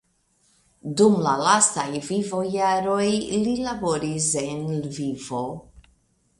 Dum la lastaj vivojaroj li laboris en Lvivo.